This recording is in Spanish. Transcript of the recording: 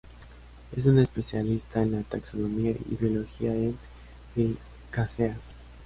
Es una especialista en la taxonomía y biología en ericáceas.